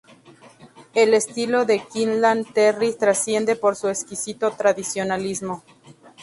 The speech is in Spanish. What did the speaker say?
El estilo de Quinlan Terry trasciende por su exquisito tradicionalismo.